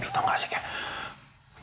lo tau gak sih kayak